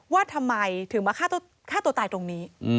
ว่าทำไมถึงมาฆ่าตัวตายตรงนี้